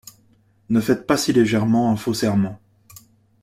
Ne faites pas si légèrement un faux serment.